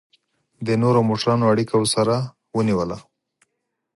د نورو موټرانو اړیکه ورسره ونیوله.